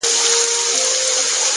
صبر د بریالیتوب د پخېدو موسم دی,